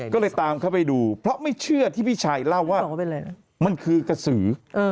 ก็เลยตามเข้าไปดูเพราะไม่เชื่อที่พี่ชัยเล่าว่ามันคือกระสือ